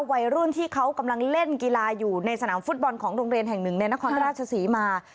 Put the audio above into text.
วัยรุ่นที่เขากำลังเล่นกีฬาอยู่ในสนามฟุตบอลของโรงเรียนแห่งหนึ่งในนครราชศรีมา